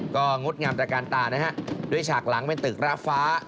ก็งดงามตระการตานะฮะด้วยฉากหลังเป็นตึกราบฟ้า